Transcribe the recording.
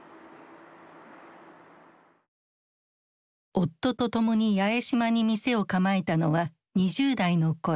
夫と共に八重島に店を構えたのは２０代の頃。